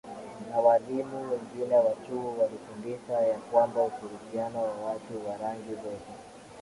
na walimu wengine wa chuo walifundisha ya kwamba ushirikiano wa watu wa rangi zote